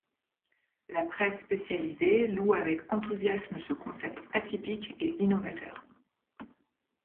La presse spécialisée loue avec enthousiasme ce concept atypique et innovateur.